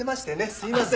すいません。